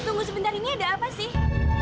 tunggu sebentar ini ada apa sih